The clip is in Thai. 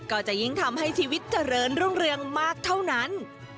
ก็จะยิ่งทำให้ชีวิตเจริญรุ่งเรืองมากเท่านั้น